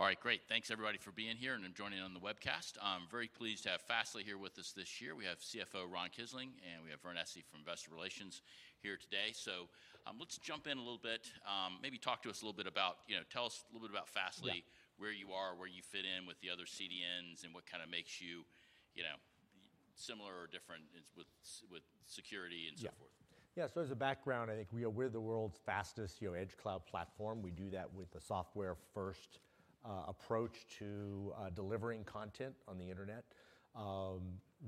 All right, great. Thanks everybody for being here and joining on the webcast. I'm very pleased to have Fastly here with us this year. We have CFO Ron Kisling, and we have Vern Essi from Investor Relations here today. Let's jump in a little bit. Maybe talk to us a little bit about, you know, tell us a little bit about Fastly where you are, where you fit in with the other CDNs, and what kind of makes you know, similar or different as with security and so forth. As a background, I think We're the world's fastest, you know, edge cloud platform. We do that with a software-first approach to delivering content on the internet.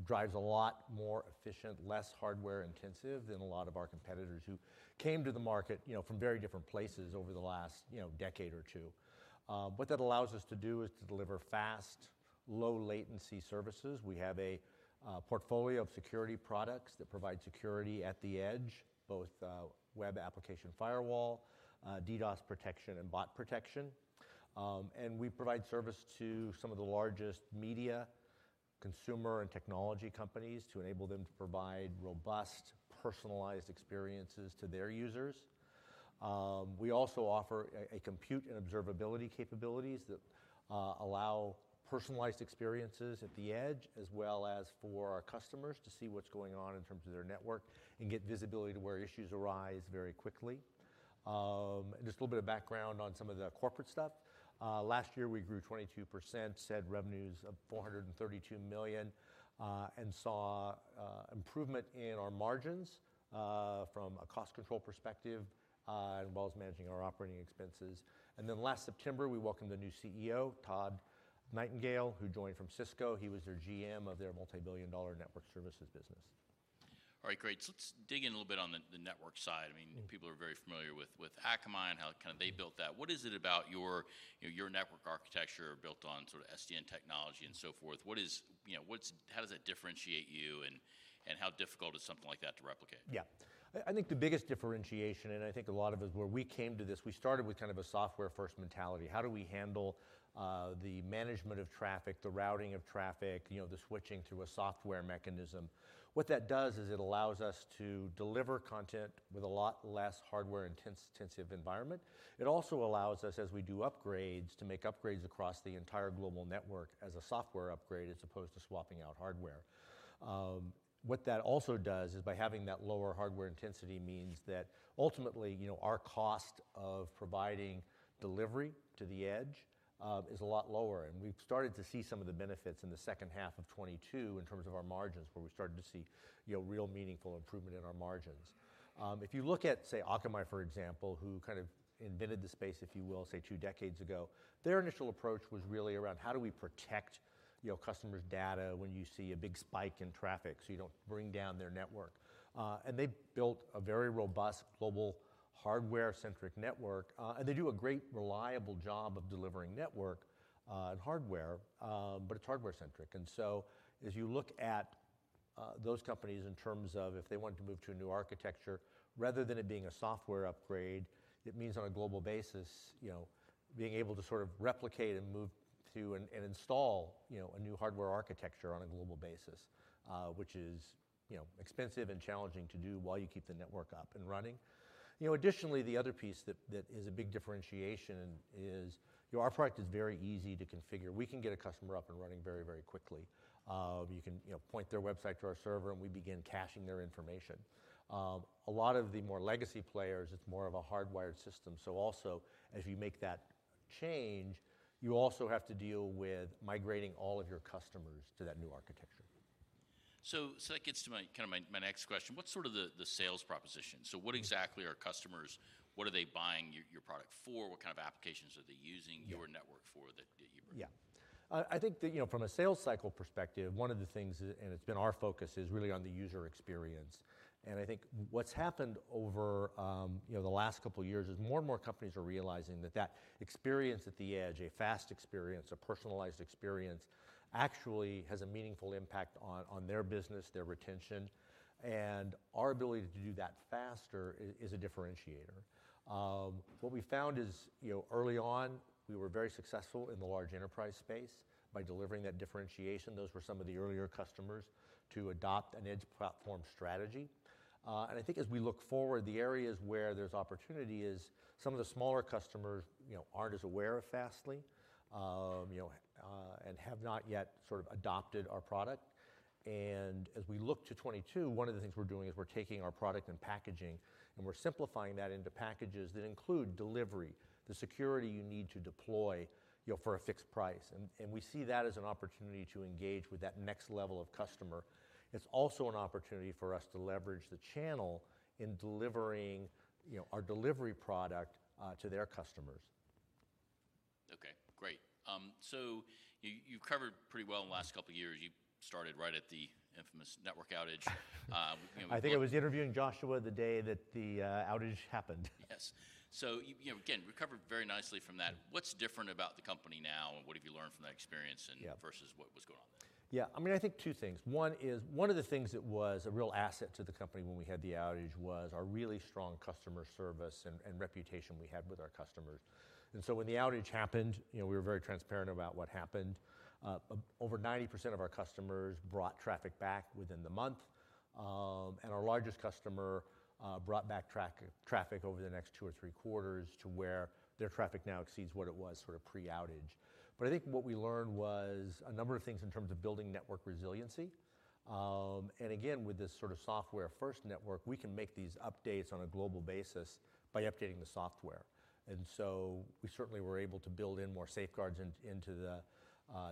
Drives a lot more efficient, less hardware intensive than a lot of our competitors who came to the market, you know, from very different places over the last, you know, decade or two. What that allows us to do is to deliver fast, low-latency services. We have a portfolio of security products that provide security at the edge, both web application firewall, DDoS protection, and Bot Protection. And we provide service to some of the largest media, consumer, and technology companies to enable them to provide robust, personalized experiences to their users. Compute and Observability capabilities that allow personalized experiences at the edge, as well as for our customers to see what's going on in terms of their network and get visibility to where issues arise very quickly. Just a little bit of background on some of the corporate stuff. Last year, we grew 22%, set revenues of $432 million, and saw improvement in our margins from a cost control perspective, as well as managing our OpEx. Last September, we welcomed a new CEO, Todd Nightingale, who joined from Cisco. He was their GM of their multi-billion dollar network services business All right, great. Let's dig in a little bit on the network side people are very familiar with Akamai and how kind of they built that. What is it about your, you know, your network architecture built on sort of SDN technology and so forth? What is, you know, what's How does that differentiate you and how difficult is something like that to replicate? Yeah. I think the biggest differentiation, and I think a lot of it is where we came to this, we started with kind of a software-first mentality. How do we handle the management of traffic, the routing of traffic, you know, the switching to a software mechanism? What that does is it allows us to deliver content with a lot less hardware intensive environment. It also allows us, as we do upgrades, to make upgrades across the entire global network as a software upgrade as opposed to swapping out hardware. What that also does is by having that lower hardware intensity means that ultimately, you know, our cost of providing delivery to the edge is a lot lower. We've started to see some of the benefits in the second half of 2022 in terms of our margins, where we started to see, you know, real meaningful improvement in our margins. If you look at, say, Akamai, for example, who kind of invented the space, if you will, say two decades ago, their initial approach was really around how do we protect, you know, customers' data when you see a big spike in traffic so you don't bring down their network. They built a very robust global hardware-centric network. They do a great reliable job of delivering network and hardware, but it's hardware-centric. As you look at, those companies in terms of if they want to move to a new architecture, rather than it being a software upgrade, it means on a global basis, you know, being able to sort of replicate and move to and install, you know, a new hardware architecture on a global basis, which is, you know, expensive and challenging to do while you keep the network up and running. You know, additionally, the other piece that is a big differentiation is, you know, our product is very easy to configure. We can get a customer up and running very, very quickly. You can, you know, point their website to our server, and we begin caching their information. A lot of the more legacy players, it's more of a hardwired system. Also, as you make that change, you also have to deal with migrating all of your customers to that new architecture. That gets to my, kinda my next question. What's sort of the sales proposition? What exactly are customers, what are they buying your product for? What kind of applications are they using your network for that you bring? I think that, you know, from a sales cycle perspective, one of the things, it's been our focus, is really on the user experience. I think what's happened over, you know, the last couple years is more and more companies are realizing that that experience at the edge, a fast experience, a personalized experience, actually has a meaningful impact on their business, their retention. Our ability to do that faster is a differentiator. What we found is, you know, early on, we were very successful in the large enterprise space by delivering that differentiation. Those were some of the earlier customers to adopt an edge platform strategy. I think as we look forward, the areas where there's opportunity is some of the smaller customers, you know, aren't as aware of Fastly, you know, and have not yet sort of adopted our product. As we look to 2022, one of the things we're doing is we're taking our product and packaging, and we're simplifying that into packages that include delivery, the security you need to deploy, you know, for a fixed price. We see that as an opportunity to engage with that next level of customer. It's also an opportunity for us to leverage the channel in delivering, you know, our delivery product to their customers. Okay, great. You, you've covered pretty well in the last couple years. You started right at the infamous network outage. I think I was interviewing Joshua the day that the outage happened. Yes. You, you know, again, recovered very nicely from that. What's different about the company now, and what have you learned from that experience versus what was going on then? Yeah. I mean, I think two things. One is, one of the things that was a real asset to the company when we had the outage was our really strong customer service and reputation we had with our customers. When the outage happened, you know, we were very transparent about what happened. Over 90% of our customers brought traffic back within the month. Our largest customer brought back traffic over the next two or three quarters to where their traffic now exceeds what it was sort of pre-outage. I think what we learned was a number of things in terms of building network resiliency. Again, with this sort of software-first network, we can make these updates on a global basis by updating the software. We certainly were able to build in more safeguards into the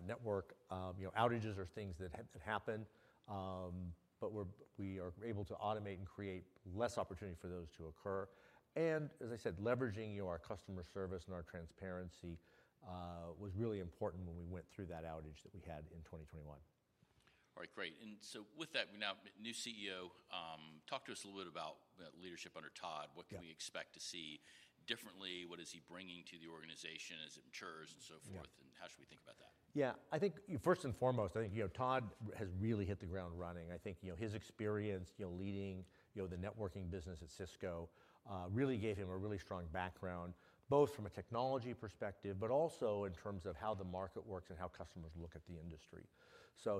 network. You know, outages are things that have happened, but we are able to automate and create less opportunity for those to occur. As I said, leveraging, you know, our customer service and our transparency, was really important when we went through that outage that we had in 2021. All right, great. With that, new CEO, talk to us a little bit about the leadership under Todd. Yeah. What can we expect to see differently? What is he bringing to the organization as it matures and so forth? Yeah. How should we think about that? Yeah. I think first and foremost, I think, you know, Todd has really hit the ground running. I think, you know, his experience, you know, leading, you know, the networking business at Cisco, really gave him a really strong background, both from a technology perspective, but also in terms of how the market works and how customers look at the industry.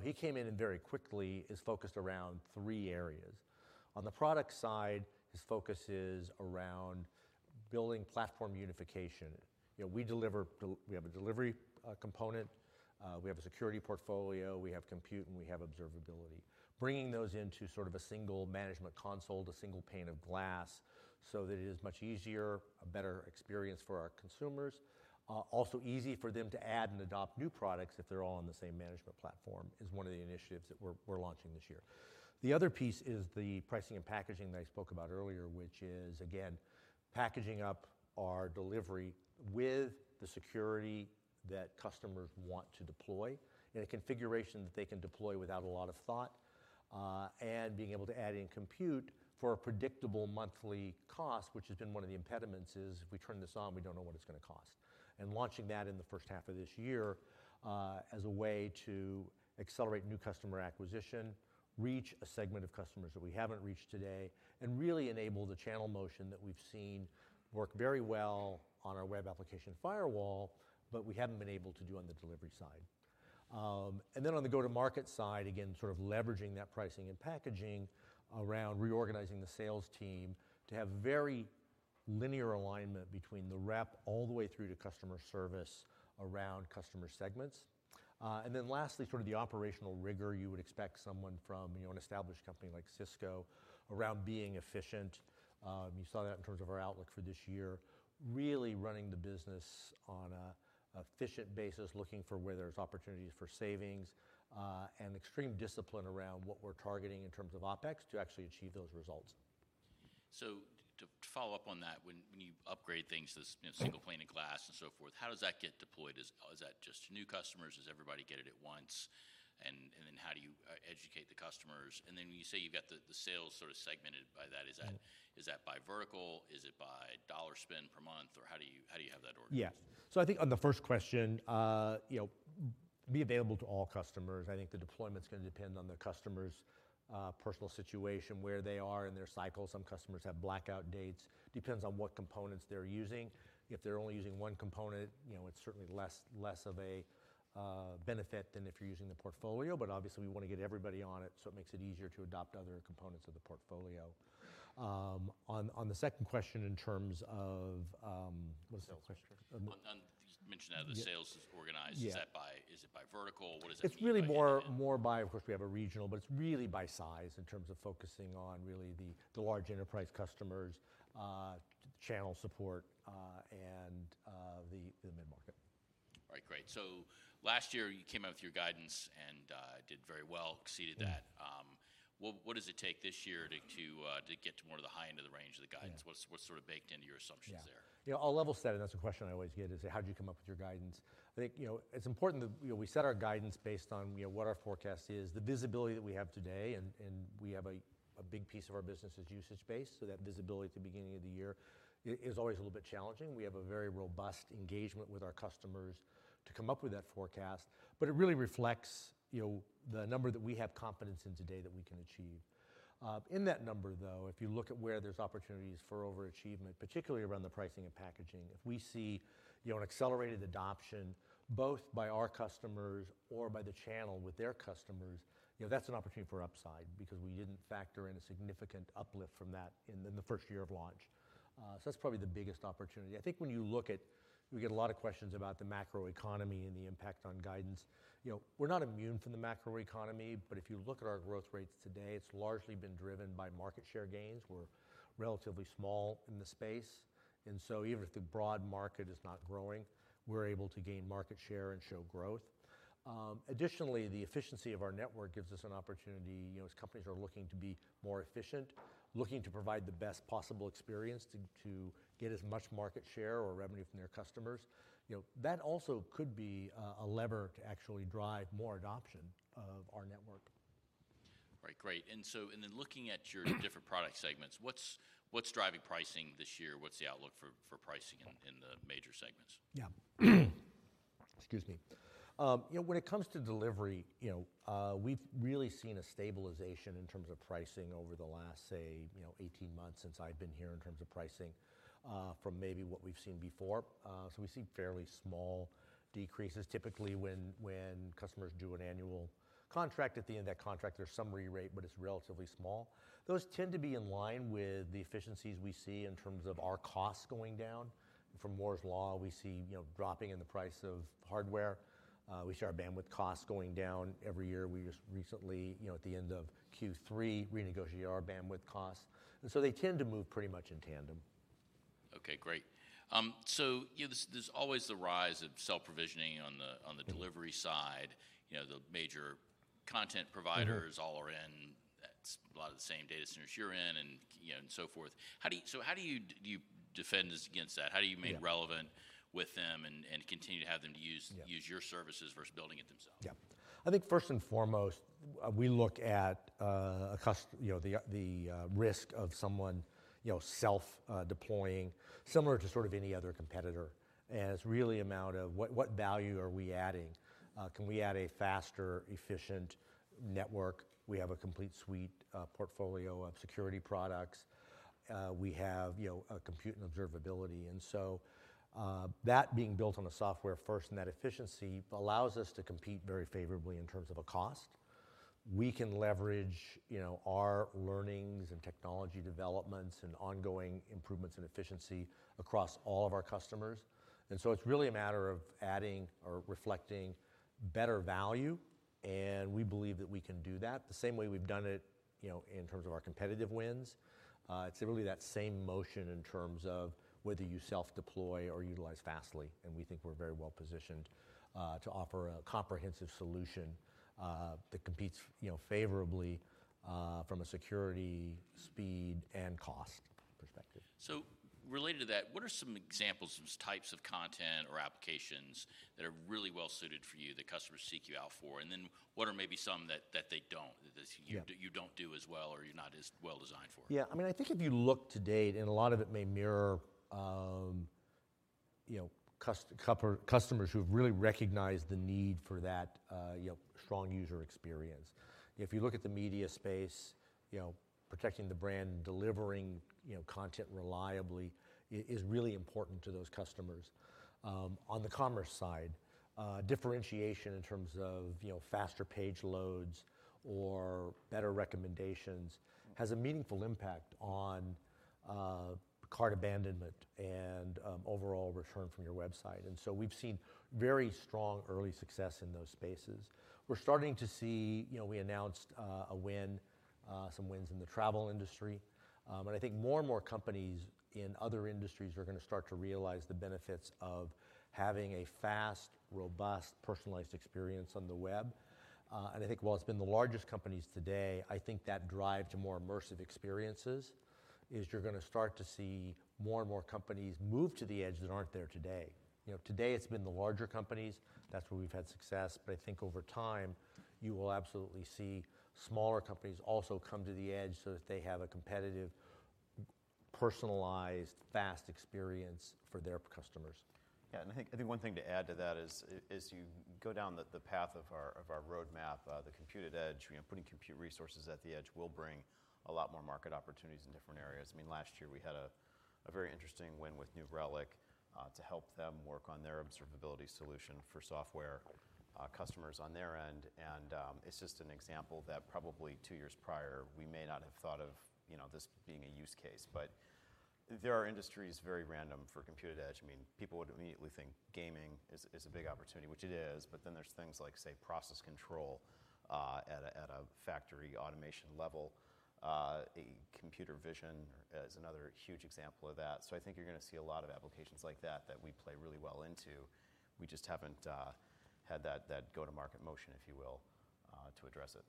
He came in and very quickly is focused around three areas. On the product side, his focus is around building platform unification. You know, we have a delivery component, we have a security portfolio, we have Compute, and we have Observability. Bringing those into sort of a single management console, the single pane of glass, so that it is much easier, a better experience for our consumers. Also easy for them to add and adopt new products if they're all on the same management platform, is one of the initiatives that we're launching this year. The other piece is the pricing and packaging that I spoke about earlier, which is again, packaging up our delivery with the security that customers want to deploy in a configuration that they can deploy without a lot of thought. Being able to add in Compute for a predictable monthly cost, which has been one of the impediments is, if we turn this on, we don't know what it's gonna cost. Launching that in the first half of this year, as a way to accelerate new customer acquisition, reach a segment of customers that we haven't reached today, and really enable the channel motion that we've seen work very well on our web application firewall, but we haven't been able to do on the delivery side. On the go-to-market side, again, sort of leveraging that pricing and packaging around reorganizing the sales team to have very linear alignment between the rep all the way through to customer service around customer segments. Lastly, sort of the operational rigor you would expect someone from, you know, an established company like Cisco around being efficient. You saw that in terms of our outlook for this year. Really running the business on a efficient basis, looking for where there's opportunities for savings, and extreme discipline around what we're targeting in terms of OpEx to actually achieve those results. To follow up on that, when you upgrade things, this, you know, single pane of glass and so forth, how does that get deployed? Is that just new customers? Does everybody get it at once? Then how do you educate the customers? Then when you say you've got the sales sort of segmented by that, that by vertical? Is it by dollar spend per month? How do you have that organized? I think on the first question, you know, be available to all customers. I think the deployment's gonna depend on the customer's personal situation, where they are in their cycle. Some customers have blackout dates. Depends on what components they're using. If they're only using one component, you know, it's certainly less of a benefit than if you're using the portfolio. Obviously, we wanna get everybody on it, so it makes it easier to adopt other components of the portfolio. On the second question, in terms of... What was the second question? On, you mentioned how the sales is organized. Is it by vertical? What does it mean by— It's really more by. Of course, we have a regional, but it's really by size in terms of focusing on really the large enterprise customers, channel support, and the mid-market. All right, great. last year, you came out with your guidance and did very well, exceeded that. Yeah. What does it take this year to get to more of the high end of the range of the guidance? What's sort of baked into your assumptions there? You know, I'll level set, and that's a question I always get is, how did you come up with your guidance? I think, you know, it's important that, you know, we set our guidance based on, you know, what our forecast is, the visibility that we have today, and we have a big piece of our business is usage-based, so that visibility at the beginning of the year is always a little bit challenging. We have a very robust engagement with our customers to come up with that forecast. It really reflects, you know, the number that we have confidence in today that we can achieve. In that number, though, if you look at where there's opportunities for overachievement, particularly around the pricing and packaging, if we see, you know, an accelerated adoption, both by our customers or by the channel with their customers, you know, that's an opportunity for upside because we didn't factor in a significant uplift from that in the first year of launch. That's probably the biggest opportunity. We get a lot of questions about the macroeconomy and the impact on guidance. You know, we're not immune from the macroeconomy, if you look at our growth rates today, it's largely been driven by market share gains. We're relatively small in the space. Even if the broad market is not growing, we're able to gain market share and show growth. Additionally, the efficiency of our network gives us an opportunity, you know, as companies are looking to be more efficient, looking to provide the best possible experience to get as much market share or revenue from their customers. You know, that also could be a lever to actually drive more adoption of our network. Right. Great. Looking at your different product segments, what's driving pricing this year? What's the outlook for pricing in the major segments? Yeah. Excuse me. You know, when it comes to delivery, you know, we've really seen a stabilization in terms of pricing over the last, say, you know, 18 months since I've been here in terms of pricing, from maybe what we've seen before. We've seen fairly small decreases. Typically, when customers do an annual contract, at the end of that contract, there's some re-rate, but it's relatively small. Those tend to be in line with the efficiencies we see in terms of our costs going down. From Moore's Law, we see, you know, dropping in the price of hardware. We see our bandwidth costs going down every year. We just recently, you know, at the end of Q3, renegotiated our bandwidth costs. They tend to move pretty much in tandem. Okay, great. you know, there's always the rise of self-provisioning on the delivery side. You know, the major content providers all are in a lot of the same data centers you're in and, you know, and so forth. How do you. How do you defend us against that? How do you remain relevant with them and continue to have them to use your services versus building it themselves? Yeah. I think first and foremost, we look at, you know, the risk of someone, you know, self deploying, similar to sort of any other competitor, and it's really amount of what value are we adding? Can we add a faster, efficient network? We have a complete suite, portfolio of security products. We have, you know, a Compute and Observability. That being built on the software first and that efficiency allows us to compete very favorably in terms of a cost. We can leverage, you know, our learnings and technology developments and ongoing improvements in efficiency across all of our customers. It's really a matter of adding or reflecting better value, and we believe that we can do that the same way we've done it, you know, in terms of our competitive wins. It's really that same motion in terms of whether you self-deploy or utilize Fastly, and we think we're very well-positioned to offer a comprehensive solution that competes, you know, favorably from a security, speed, and cost perspective. Related to that, what are some examples of types of content or applications that are really well-suited for you that customers seek you out for? What are maybe some that they don't, that you— Yeah. You don't do as well or you're not as well designed for? Yeah. I mean, I think if you look to date, a lot of it may mirror, you know, customers who have really recognized the need for that, you know, strong user experience. If you look at the media space, you know, protecting the brand, delivering, you know, content reliably is really important to those customers. On the commerce side, differentiation in terms of, you know, faster page loads or better recommendations has a meaningful impact on, cart abandonment and overall return from your website. We've seen very strong early success in those spaces. We're starting to see. You know, we announced a win, some wins in the travel industry. I think more and more companies in other industries are gonna start to realize the benefits of having a fast, robust, personalized experience on the web. I think while it's been the largest companies today, I think that drive to more immersive experiences is you're gonna start to see more and more companies move to the edge that aren't there today. You know, today it's been the larger companies. That's where we've had success. I think over time, you will absolutely see smaller companies also come to the edge so that they have a competitive, personalized, fast experience for their customers. Yeah, I think one thing to add to that is you go down the path of our roadmap, Compute@Edge, you know, putting compute resources at the edge will bring a lot more market opportunities in different areas. I mean, last year we had a very interesting win with New Relic to help them work on their Observability solution for software customers on their end. It's just an example that probably two years prior, we may not have thought of, you know, this being a use case. There are industries very random for Compute@Edge. I mean, people would immediately think gaming is a big opportunity, which it is, there's things like, say, process control at a factory automation level. A computer vision is another huge example of that. I think you're gonna see a lot of applications like that we play really well into. We just haven't had that go-to-market motion, if you will, to address it.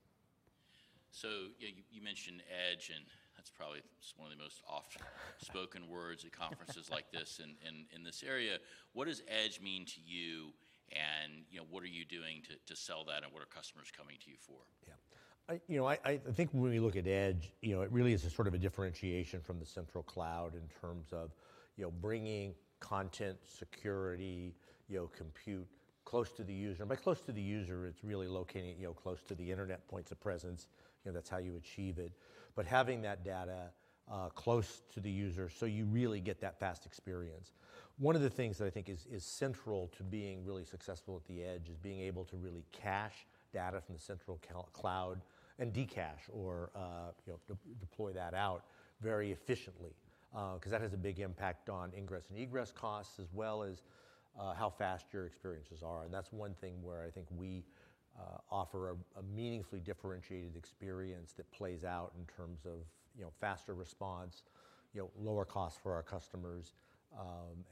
You mentioned edge, and that's probably one of the most oft spoken words at conferences like this, in this area. What does edge mean to you, and, you know, what are you doing to sell that, and what are customers coming to you for? Yeah. I, you know, I think when we look at edge, you know, it really is a sort of a differentiation from the central cloud in terms of, you know, bringing content security, you know, Compute close to the user. By close to the user, it's really locating it, you know, close to the internet points of presence. You know, that's how you achieve it. Having that data close to the user, you really get that fast experience. One of the things that I think is central to being really successful at the edge is being able to really cache data from the central cloud and de-cache or, you know, deploy that out very efficiently. 'cause that has a big impact on ingress and egress costs as well as how fast your experiences are. That's one thing where I think we offer a meaningfully differentiated experience that plays out in terms of, you know, faster response, you know, lower costs for our customers,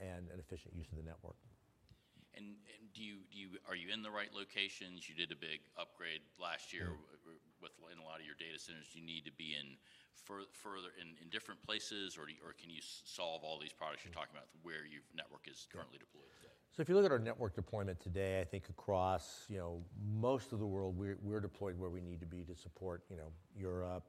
and an efficient use of the network. Are you in the right locations? You did a big upgrade last year in a lot of your data centers you need to be in further in different places or do you, or can you solve all these products you're talking about where your network is currently deployed? If you look at our network deployment today, I think across, you know, most of the world, we're deployed where we need to be to support, you know, Europe,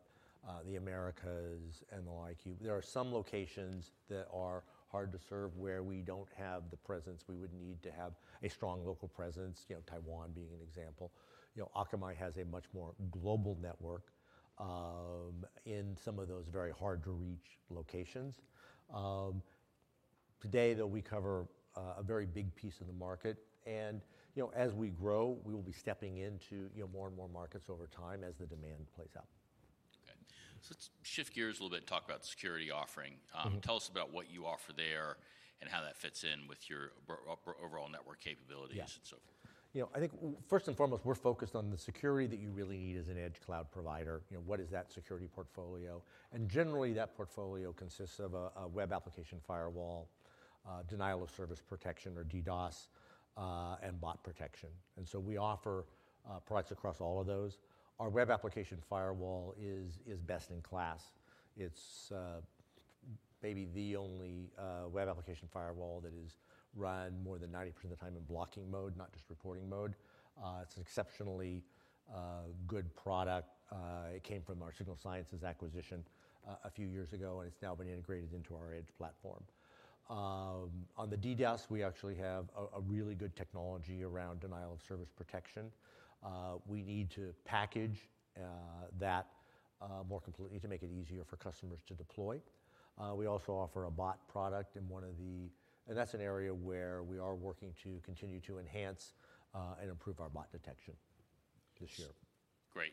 the Americas, and the like. There are some locations that are hard to serve where we don't have the presence we would need to have a strong local presence, you know, Taiwan being an example. You know, Akamai has a much more global network in some of those very hard to reach locations. Today though, we cover a very big piece of the market and, you know, as we grow, we will be stepping into, you know, more and more markets over time as the demand plays out. Okay. let's shift gears a little bit and talk about security offering. Tell us about what you offer there and how that fits in with your overall network capabilities and so forth. You know, I think first and foremost, we're focused on the security that you really need as an edge cloud provider. You know, what is that security portfolio? Generally, that portfolio consists of a web application firewall, denial of service protection or DDoS, and Bot Protection. We offer products across all of those. Our web application firewall is best in class. It's maybe the only web application firewall that is run more than 90% of the time in blocking mode, not just reporting mode. It's an exceptionally good product. It came from our Signal Sciences acquisition, a few years ago, and it's now been integrated into our edge platform. On the DDoS, we actually have a really good technology around denial of service protection. We need to package that more completely to make it easier for customers to deploy. We also offer a bot product. That's an area where we are working to continue to enhance and improve our bot detection this year. Great.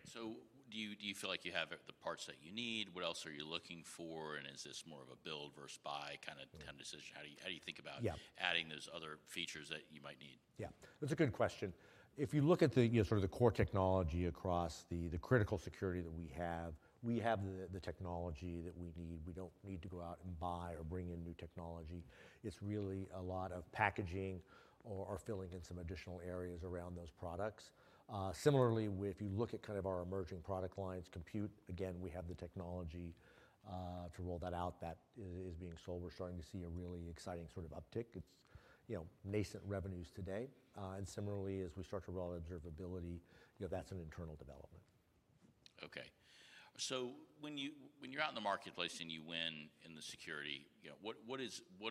Do you feel like you have the parts that you need? What else are you looking for, is this more of a build versus buy kinda decision? How do you think about adding those other features that you might need? Yeah. That's a good question. If you look at the, you know, sort of the core technology across the critical security that we have, we have the technology that we need. We don't need to go out and buy or bring in new technology. It's really a lot of packaging or filling in some additional areas around those products. Similarly, with, you look at kind of our emerging product lines, Compute, again, we have the technology to roll that out. That is being sold. We're starting to see a really exciting sort of uptick. It's, you know, nascent revenues today. Similarly, as we start to roll Observability, you know, that's an internal development. Okay. When you're out in the marketplace and you win in the security, you know, what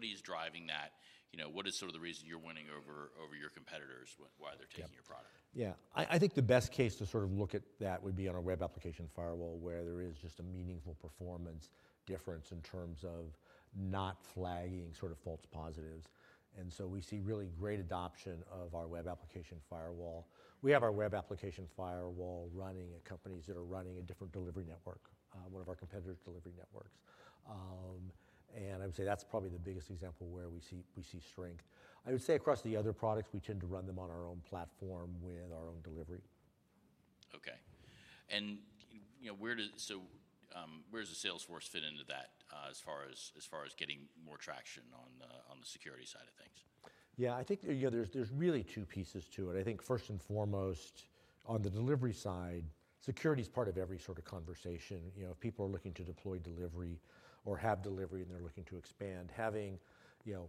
is driving that? You know, what is sort of the reason you're winning over your competitors your product? Yeah. I think the best case to sort of look at that would be on a web application firewall, where there is just a meaningful performance difference in terms of not flagging sort of false positives. We see really great adoption of our web application firewall. We have our web application firewall running at companies that are running a different delivery network, one of our competitor's delivery networks. I would say that's probably the biggest example where we see strength. I would say across the other products, we tend to run them on our own platform with our own delivery. Okay. You know, where does the sales force fit into that, as far as getting more traction on the security side of things? Yeah, I think, you know, there's really two pieces to it. I think first and foremost, on the delivery side, security is part of every sort of conversation. You know, if people are looking to deploy delivery or have delivery and they're looking to expand, having, you know,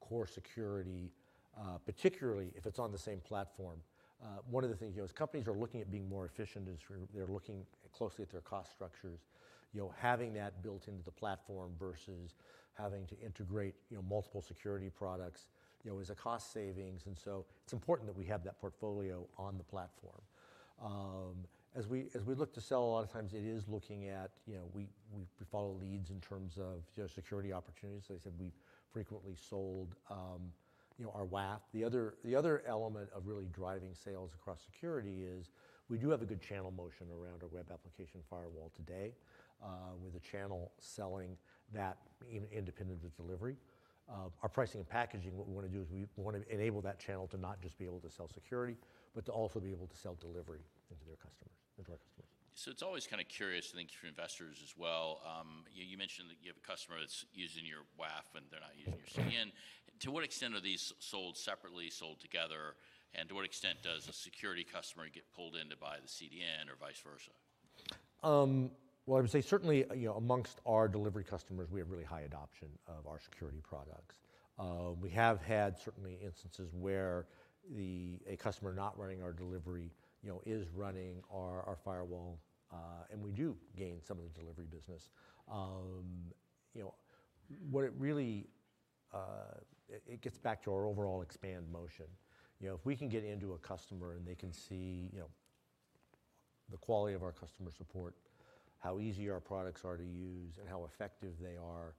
core security, particularly if it's on the same platform. One of the things, you know, as companies are looking at being more efficient is they're looking closely at their cost structures. You know, having that built into the platform versus having to integrate, you know, multiple security products, you know, is a cost savings. It's important that we have that portfolio on the platform. As we look to sell, a lot of times it is looking at, you know, we follow leads in terms of, you know, security opportunities. As I said, we've frequently sold, you know, our WAF. The other element of really driving sales across security is we do have a good channel motion around our web application firewall today, with the channel selling that in independent of delivery. Our pricing and packaging, what we wanna do is we wanna enable that channel to not just be able to sell security, but to also be able to sell delivery into their customers, into our customers. It's always kinda curious, I think for investors as well, you mentioned that you have a customer that's using your WAF, and they're not using your CDN. To what extent are these sold separately, sold together, and to what extent does a security customer get pulled in to buy the CDN or vice versa? Well, I would say certainly, you know, amongst our delivery customers, we have really high adoption of our security products. We have had certainly instances where a customer not running our delivery, you know, is running our firewall, and we do gain some of the delivery business. You know, what it really, it gets back to our overall expand motion. You know, if we can get into a customer and they can see, you know, the quality of our customer support, how easy our products are to use, and how effective they are,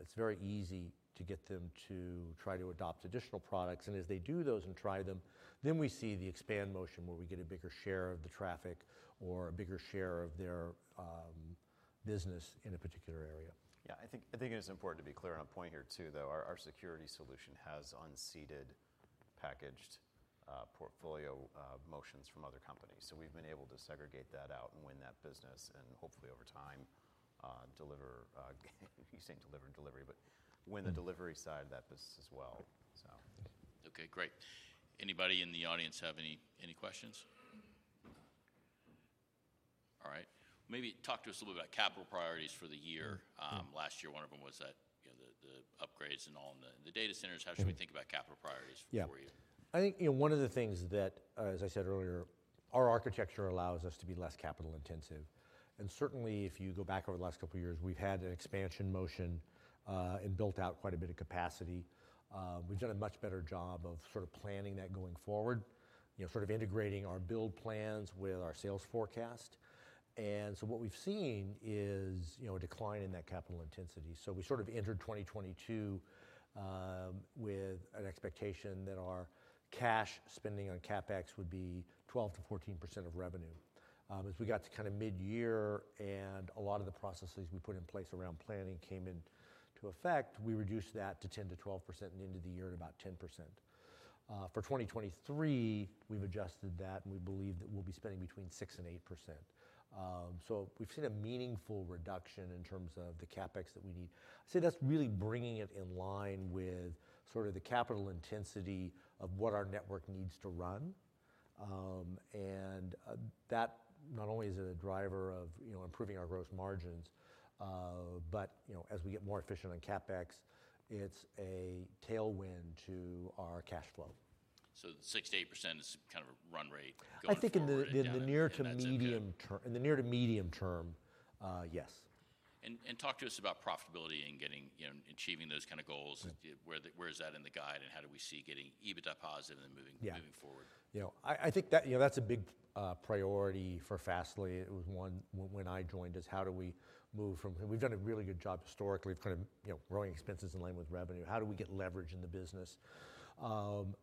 it's very easy to get them to try to adopt additional products. As they do those and try them, then we see the expand motion where we get a bigger share of the traffic or a bigger share of their business in a particular area. I think it is important to be clear on a point here too, though. Our security solution has unseated packaged portfolio motions from other companies. We've been able to segregate that out and win that business and hopefully over time, deliver, you say deliver delivery, but win the delivery side of that business as well. Okay, great. Anybody in the audience have any questions? Maybe talk to us a little about capital priorities for the year. Last year, one of them was that, you know, the upgrades and all on the data centers. How should we think about capital priorities for you? I think, you know, one of the things that, as I said earlier, our architecture allows us to be less capital intensive. Certainly, if you go back over the last couple years, we've had an expansion motion, and built out quite a bit of capacity. We've done a much better job of sort of planning that going forward. You know, sort of integrating our build plans with our sales forecast. What we've seen is, you know, a decline in that capital intensity. We sort of entered 2022, with an expectation that our cash spending on CapEx would be 12%-14% of revenue. As we got to kinda mid-year and a lot of the processes we put in place around planning came into effect, we reduced that to 10%-12% and into the year at about 10%. For 2023, we've adjusted that, and we believe that we'll be spending between 6% and 8%. We've seen a meaningful reduction in terms of the CapEx that we need. That's really bringing it in line with sort of the capital intensity of what our network needs to run. That not only is it a driver of, you know, improving our gross margins, but, you know, as we get more efficient on CapEx, it's a tailwind to our cash flow. The 6%-8% is kind of a run rate going forward. I think in the— And down— In the near to medium term. That's— In the near to medium term, yes. Talk to us about profitability and getting, you know, achieving those kind of goals. Where is that in the guide, and how do we see getting EBITDA positive and moving-? forward? You know, I think that, you know, that's a big priority for Fastly. It was one when I joined, is how do we move from. We've done a really good job historically of kind of, you know, growing expenses in line with revenue. How do we get leverage in the business?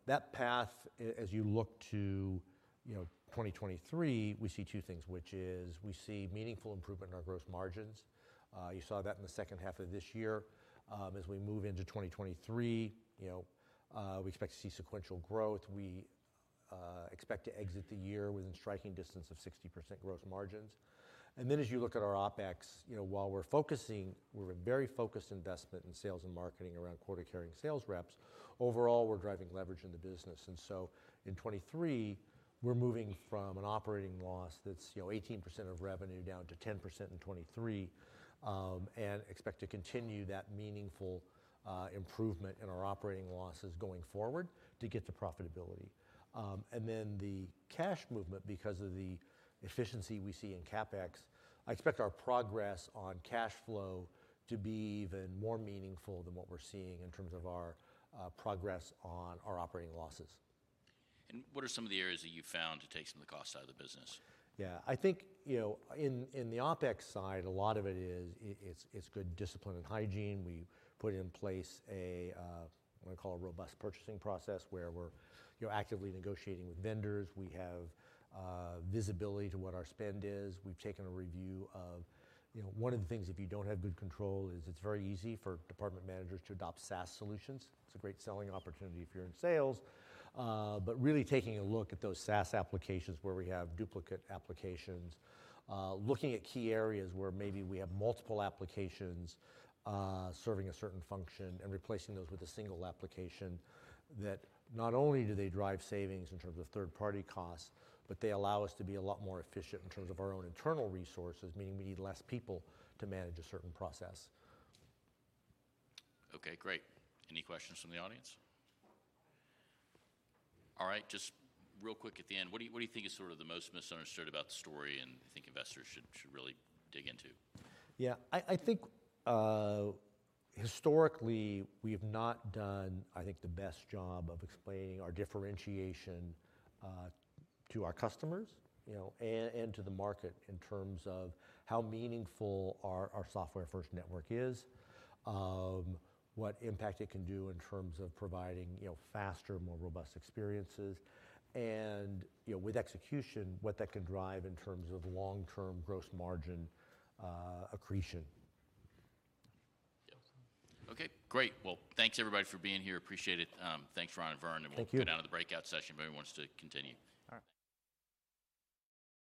That path as you look to, you know, 2023, we see two things, which is we see meaningful improvement in our gross margins. You saw that in the second half of this year. As we move into 2023, you know, we expect to see sequential growth. We expect to exit the year within striking distance of 60% gross margins. As you look at our OpEx, you know, while we're focusing, we're a very focused investment in sales and marketing around quota-carrying sales reps. Overall, we're driving leverage in the business. In 2023, we're moving from an operating loss that's, you know, 18% of revenue down to 10% in 2023. Expect to continue that meaningful improvement in our operating losses going forward to get to profitability. The cash movement, because of the efficiency we see in CapEx, I expect our progress on cash flow to be even more meaningful than what we're seeing in terms of our progress on our operating losses. What are some of the areas that you've found to take some of the cost out of the business? Yeah. I think, you know, in the OpEx side, a lot of it is, it's good discipline and hygiene. We put in place a what I call a robust purchasing process, where we're, you know, actively negotiating with vendors. We have visibility to what our spend is. We've taken a review of, you know, one of the things if you don't have good control is it's very easy for department managers to adopt SaaS solutions. It's a great selling opportunity if you're in sales. Really taking a look at those SaaS applications where we have duplicate applications. Looking at key areas where maybe we have multiple applications, serving a certain function and replacing those with a single application that not only do they drive savings in terms of third-party costs, but they allow us to be a lot more efficient in terms of our own internal resources, meaning we need less people to manage a certain process. Okay, great. Any questions from the audience? All right. Just real quick at the end, what do you think is sort of the most misunderstood about the story and you think investors should really dig into? Yeah. I think, historically we've not done, I think, the best job of explaining our differentiation to our customers, you know, and to the market in terms of how meaningful our software first network is. What impact it can do in terms of providing, you know, faster, more robust experiences. You know, with execution, what that can drive in terms of long-term gross margin accretion. Yep. Okay, great. Well, thanks everybody for being here. Appreciate it. Thanks Ron and Vern. Thank you. We'll go down to the breakout session if anyone wants to continue. All right.